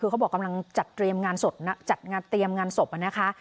คือเขาบอกกำลังจัดเตรียมงานศพจัดงานเตรียมงานศพนะคะ